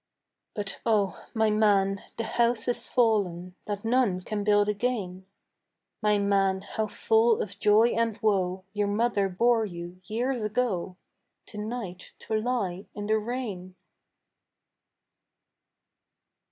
But oh, my man, the house is fallen That none can build again; My man, how full of joy and woe Your mother bore you years ago To night to lie in the rain.